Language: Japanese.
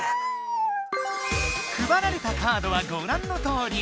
くばられたカードはごらんのとおり。